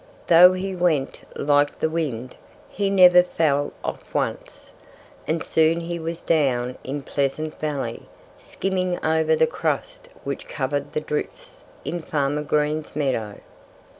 Though he went like the wind, he never fell off once. And soon he was down in Pleasant Valley, skimming over the crust which covered the drifts in Farmer Green's meadow.